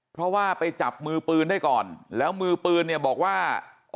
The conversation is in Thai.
เพราะว่าไปจับมือปืนได้ก่อนแล้วมือปืนเนี่ยบอกว่า